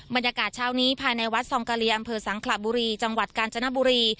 บรรยากาศเช้านี้ภายในวัดซองกะเลียอำเภอสังขระบุรีจังหวัดกาญจนบุรี